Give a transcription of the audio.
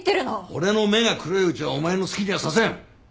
俺の目が黒いうちはお前の好きにはさせん！